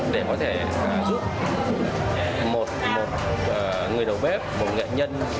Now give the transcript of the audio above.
để có thể giúp một người đầu bếp một nghệ nhân